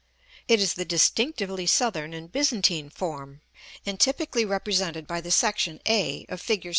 It is the distinctively Southern and Byzantine form, and typically represented by the section a, of Fig.